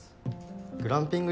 グランピング